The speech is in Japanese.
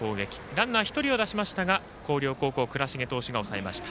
ランナー、１人は出しましたが広陵高校、倉重投手が抑えました。